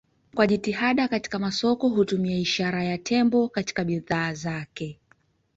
Kwa jitihada katika masoko hutumia ishara ya tembo katika bidhaa zake.